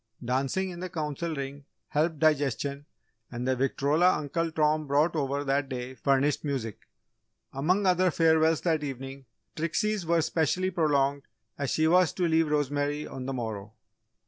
Dancing in the Council Ring helped digestion and the victrola Uncle Tom brought over that day furnished music. Among other farewells that evening, Trixie's were especially prolonged as she was to leave Rosemary on the morrow.